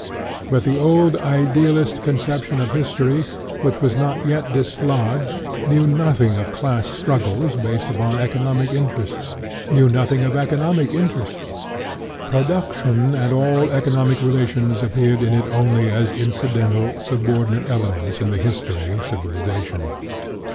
But the old idealist conception of history, which was not yet dislodged, knew nothing of class struggles based upon economic interests, knew nothing of eco nomic interests; production and all eco nomic relations appeared in it only as incidental, subordinate elements in the " his tory of civilization."